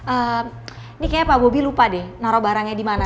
ehm ini kayaknya pak bobi lupa deh naro barangnya dimana